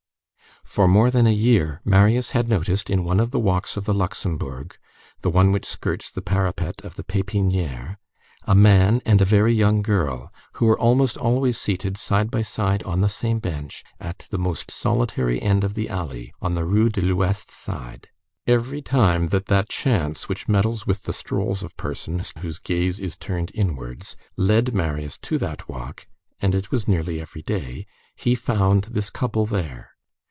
For more than a year, Marius had noticed in one of the walks of the Luxembourg, the one which skirts the parapet of the Pépinière, a man and a very young girl, who were almost always seated side by side on the same bench, at the most solitary end of the alley, on the Rue de l'Ouest side. Every time that that chance which meddles with the strolls of persons whose gaze is turned inwards, led Marius to that walk,—and it was nearly every day,—he found this couple there.